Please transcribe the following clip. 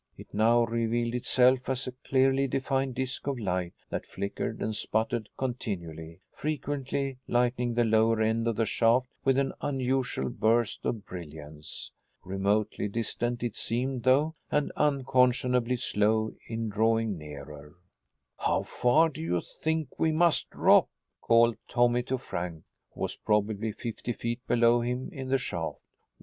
It now revealed itself as a clearly defined disc of light that flickered and sputtered continually, frequently lighting the lower end of the shaft with an unusual burst of brilliance. Remotely distant it seemed though, and unconscionably slow in drawing nearer. "How far do you think we must drop?" called Tommy to Frank, who was probably fifty feet below him in the shaft.